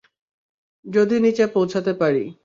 যদি নিচে পৌঁছাতে পারি।